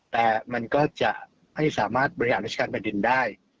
แต่มันก็จะให้สามารถบริหารรัชการบริษัทดินได้